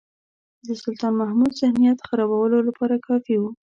د سلطان محمود ذهنیت خرابولو لپاره کافي وو.